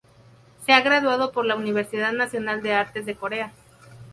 Se ha graduado por la Universidad Nacional de Artes de Corea.